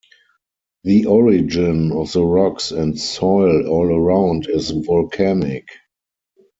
The origin of the rocks and soil all around is volcanic.